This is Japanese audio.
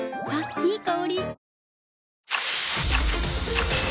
いい香り。